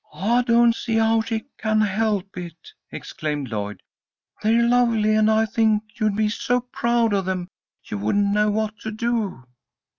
"I don't see how she can help it!" exclaimed Lloyd. "They're lovely, and I think you'd be so proud of them you wouldn't know what to do."